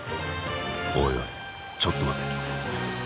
おいおいちょっと待て。